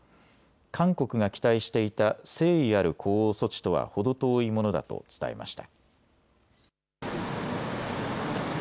韓国が期待していた誠意ある呼応措置とは程遠いものだと伝えました。